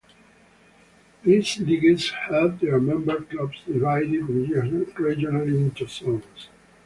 These leagues had their member clubs divided regionally into zones.